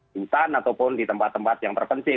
hutan ataupun di tempat tempat yang berkecil